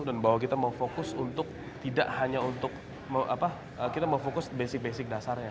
dan bahwa kita mau fokus untuk tidak hanya untuk apa kita mau fokus basic basic dasarnya